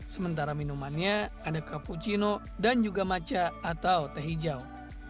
sementara minumannya ada cappuccino dan juga macha atau teh hijau